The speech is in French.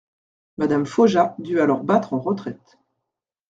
Madame Faujas dut alors battre en retraite.